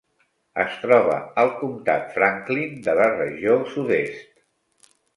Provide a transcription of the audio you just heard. Es troba al comtat Franklin de la regió sud-est.